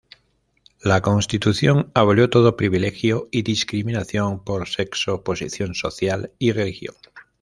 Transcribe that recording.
La Constitución abolió todo privilegio y discriminación por sexo, posición social, y religión.